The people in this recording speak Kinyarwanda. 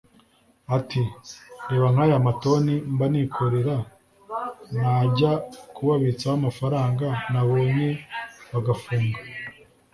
Ati“Reba nk’aya matoni mba nikorera najya kubabitsaho amafaranga nabonye bagafunga